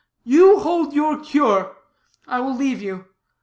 You hold your cure; I will leave you.